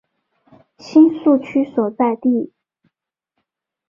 新宿区所在地。